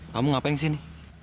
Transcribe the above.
kamu ngapain disini